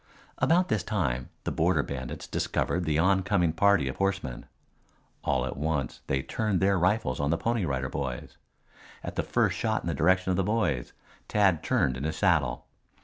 About this time the Border Bandits discovered the oncoming party of horsemen. All at once they turned their rifles on the Pony Rider Boys. At the first shot in the direction of the boys Tad turned in his saddle.